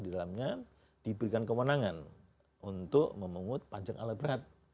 di dalamnya diberikan kewenangan untuk memungut panjang alat berat